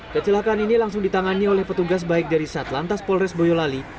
kecelakaan ini langsung ditangani oleh petugas baik dari satlantas polres boyolali